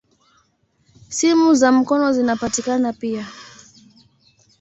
Simu za mkono zinapatikana pia.